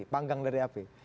panggang dari api